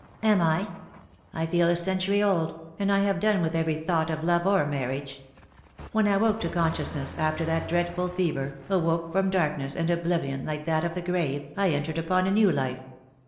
"Am I? I feel a century old; and I have done with every thought of love or marriage. When I woke to con sciousness after that dreadful fever, awoke from darkness and oblivion like that of the grave, I entered upon a new life.